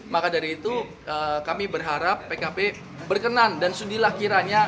maka dari itu kami berharap pkp berkenan dan sudilah kiranya